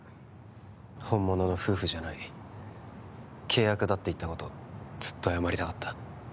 本物の夫婦じゃない、契約だって言ったことずっと謝りたかった。